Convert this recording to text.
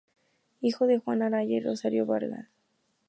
Hijo de Juan Araya y Rosario Vargas.